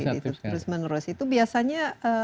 terus menurus itu biasanya